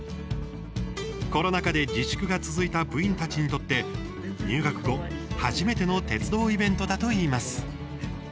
コロナ禍で自粛が続いた部員たちにとって入学後、初めての鉄道イベントだといいます。